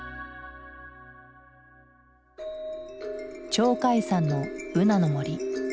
鳥海山のブナの森。